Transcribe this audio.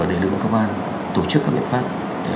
để lực lượng công an tổ chức các biện pháp